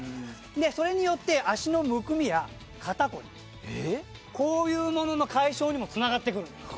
でそれによって脚のむくみや肩こりこういうものの解消にもつながってくる。